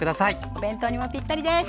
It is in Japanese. お弁当にもぴったりです。